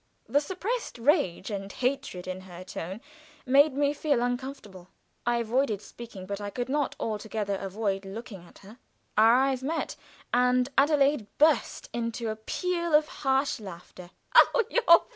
The suppressed rage and hatred in her tone made me feel uncomfortable. I avoided speaking, but I could not altogether avoid looking at her. Our eyes met, and Adelaide burst into a peal of harsh laughter.